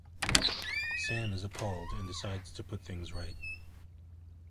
Sam is appalled and decides to put things right.